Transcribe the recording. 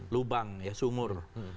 lubang ya sumur